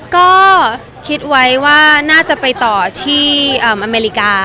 ก็คิดไว้ว่าน่าจะไปต่อที่อเมริกา